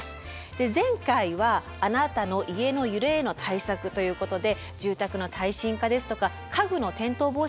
前回はあなたの家の揺れへの対策ということで住宅の耐震化ですとか家具の転倒防止についてお伝えしました。